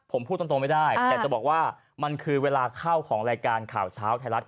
ผมพูดตรงไม่ได้แต่จะบอกว่ามันคือเวลาเข้าของรายการข่าวเช้าไทยรัฐ